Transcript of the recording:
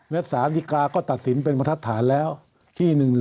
แล้วสารดิกาก็ตัดสินเป็นประทัดฐานแล้วที่๑๑๔๘๗๒๕๕๘